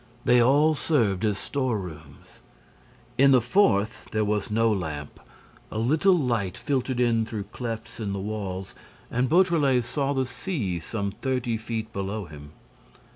They all served as store rooms. In the fourth, there was no lamp. A little light filtered in through clefts in the walls and Beautrelet saw the sea some thirty feet below him.